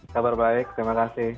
kabar baik terima kasih